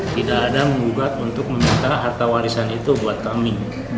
tidak ada menggugat untuk meminta harta warisan itu buat kami